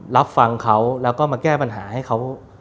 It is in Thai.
รับฟังเขาแล้วก็มาแก้ปัญหาให้เขา